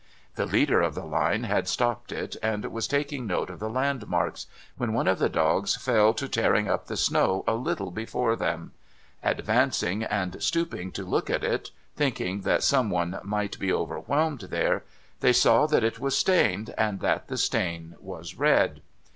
The leader of the line had stopped it, and was taking note of the landmarks, when one of the dogs fell to tearing up the snow a little before them. Advancing and stooping to look at it, thinking that some one might be overwhelmed there, they saw that it was stained, and that the stain was red.